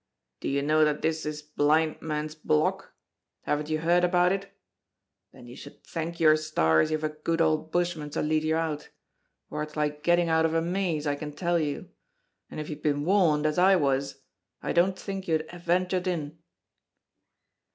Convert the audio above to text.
Do you know that this is Blind Man's Block? Haven't you heard about it? Then you should thank your stars you've a good old bushman to lead you out; for it's like getting out of a maze, I can tell you; and if you'd been warned, as I was, I don't think you'd have ventured in."